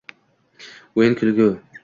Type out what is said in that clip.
o’yin, kulgu